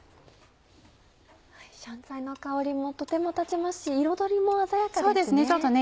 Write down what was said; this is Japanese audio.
香菜の香りもとても立ちますし彩りも鮮やかですね。